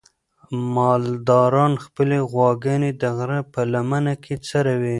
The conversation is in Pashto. مالداران خپلې غواګانې د غره په لمنه کې څروي.